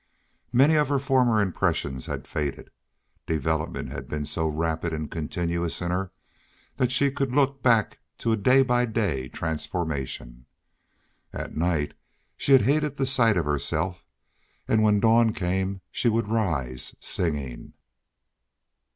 Many of her former impressions had faded. Development had been so rapid and continuous in her that she could look back to a day by day transformation. At night she had hated the sight of herself and when the dawn came she would rise, singing.